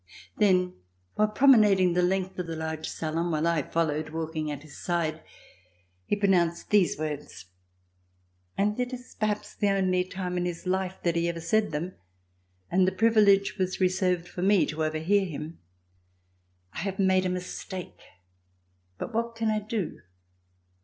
Then while promenading the length of the large salon, while I followed, walking at his side, he pro nounced these words fand it is perhaps the only [373 ] RECOLLECTIONS OF THE REVOLUTION time in his life that he ever said them and the privilege was reserved for me to overhear him) : "I have made a mistake, but what can I do?'